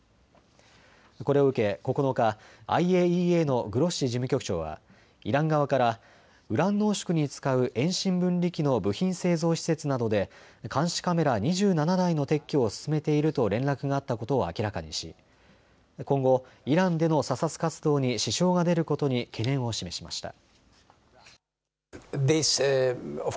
これを受け９日、ＩＡＥＡのグロッシ事務局長はイラン側からウラン濃縮に使う遠心分離機の部品製造施設などで監視カメラ２７台の撤去を進めていると連絡があったことを明らかにし、今後、イランでの査察活動に支障が出ることに懸念を示しました。